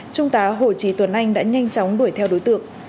trung tá hồ trí tuấn anh đã nhanh chóng đuổi theo đối tượng